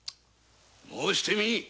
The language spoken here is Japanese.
申してみい！